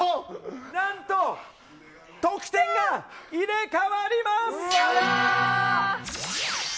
何と得点が入れ替わります！